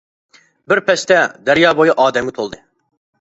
بىر پەستە دەريا بويى ئادەمگە تولدى.